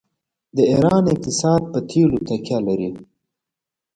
د ایران اقتصاد په تیلو تکیه لري.